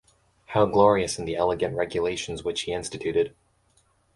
How glorious in the elegant regulations which he instituted!